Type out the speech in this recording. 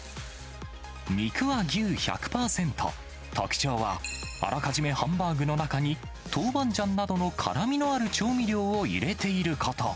肉は牛１００％、特徴は、あらかじめハンバーグの中にトウバンジャンなどの辛みのある調味料を入れていること。